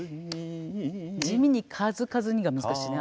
地味に「数々に」が難しいな。